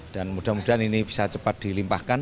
dan mudah mudahan ini bisa cepat dilimpahkan